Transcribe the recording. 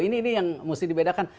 ini yang mesti dibedakan